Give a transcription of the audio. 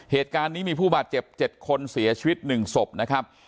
เหตุการณ์นี้มีผู้บาดเจ็บ๗คนเสียชีวิต๑ศพนะครับ